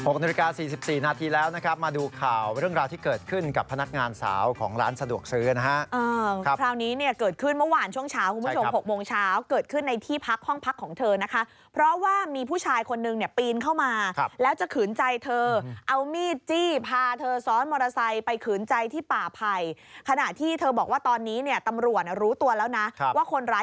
นาฬิกา๔๔นาทีแล้วนะครับมาดูข่าวเรื่องราวที่เกิดขึ้นกับพนักงานสาวของร้านสะดวกซื้อนะฮะคราวนี้เนี่ยเกิดขึ้นเมื่อวานช่วงเช้าคุณผู้ชม๖โมงเช้าเกิดขึ้นในที่พักห้องพักของเธอนะคะเพราะว่ามีผู้ชายคนนึงเนี่ยปีนเข้ามาแล้วจะขืนใจเธอเอามีดจี้พาเธอซ้อนมอเตอร์ไซค์ไปขืนใจที่ป่าไผ่ขณะที่เธอบอกว่าตอนนี้เนี่ยตำรวจรู้ตัวแล้วนะว่าคนร้าย